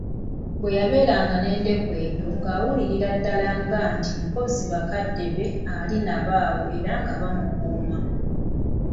Bwe yabeeranga n'endeku eyo ng'awulirira ddala nga nti mpozzi bakadde be ali nabo awo era nga bamukuuma.